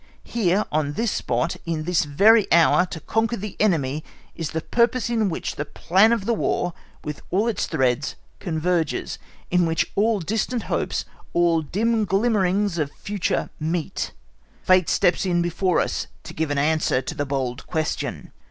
Here on this spot, in this very hour, to conquer the enemy is the purpose in which the plan of the War with all its threads converges, in which all distant hopes, all dim glimmerings of the future meet, fate steps in before us to give an answer to the bold question.